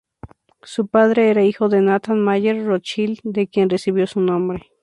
Su padre era hijo de Nathan Mayer Rothschild, de quien recibió su nombre.